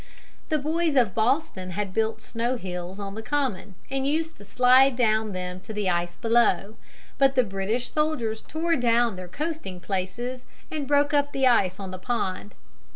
The boys of Boston had built snow hills on the Common, and used to slide down them to the ice below, but the British soldiers tore down their coasting places and broke up the ice on the pond.